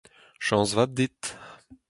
Chañs vat dit.